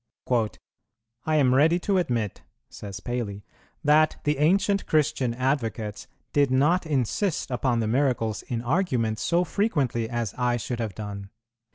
"I am ready to admit," says Paley, "that the ancient Christian advocates did not insist upon the miracles in argument so frequently as I should have done.